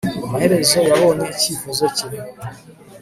amaherezo yabonye icyifuzo cye